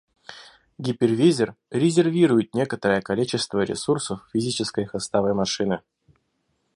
Гипервизор «резервирует» некоторое количество ресурсов физической хостовой машины